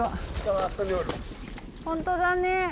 本当だね。